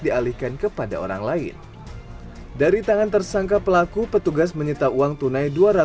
dialihkan kepada orang lain dari tangan tersangka pelaku petugas menyita uang tunai dua ratus lima puluh tujuh juta rupiah